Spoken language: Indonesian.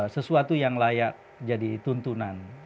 sesuatu yang layak jadi tuntunan